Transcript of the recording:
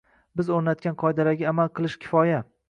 Biz o'rnatgan qoidalarga amal qilish kifoya